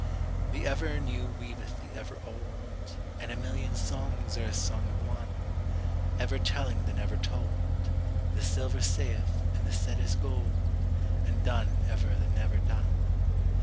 10The ever new weaveth the ever old,11(And a million songs are as song of one)12Ever telling the never told;13The silver saith, and the said is gold,14And done ever the never done.